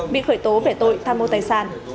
bị khởi tố về tội tham mô tài sản